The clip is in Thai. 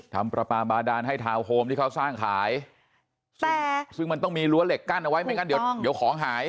ทำประปาบาดานให้ทาวน์โฮมที่เขาสร้างขายแต่ซึ่งมันต้องมีรั้วเหล็กกั้นเอาไว้ไม่งั้นเดี๋ยวเดี๋ยวของหาย